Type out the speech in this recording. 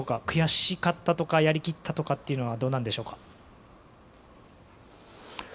悔しかったとかやり切ったというのはどうなんでしょうか。